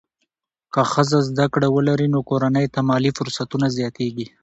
که ښځه زده کړه ولري، نو کورنۍ ته مالي فرصتونه زیاتېږي.